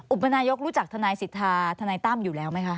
อุปนายกรู้จักทนายสิทธาทนายตั้มอยู่แล้วไหมคะ